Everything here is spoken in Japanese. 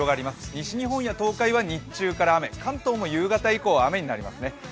西日本や東海は日中から雨関東も夕方以降、雨になりますね。